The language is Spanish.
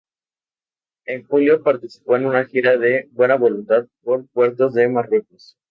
En julio, participó en una gira de Buena voluntad por puertos de Marruecos.